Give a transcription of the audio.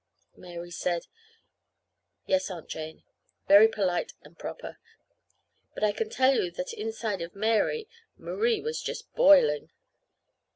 Mary said, "Yes, Aunt Jane," very polite and proper; but I can tell you that inside of Mary, Marie was just boiling.